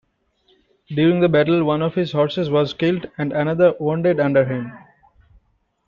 During the battle one of his horses was killed and another wounded under him.